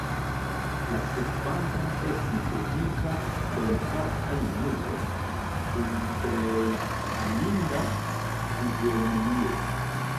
La sekvanta estis dika bonfarta junulo, kun plej aminda fizionomio.